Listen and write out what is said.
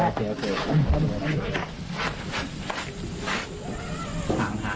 หยี่ผ่านค่ะ